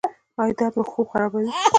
ایا درد مو خوب خرابوي؟